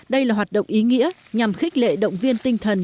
đây là hoạt động ý nghĩa nhằm khích lệ động viên tinh thần